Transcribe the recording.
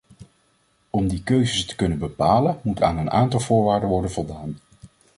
Om die keuzes te kunnen bepalen, moet aan een aantal voorwaarden worden voldaan.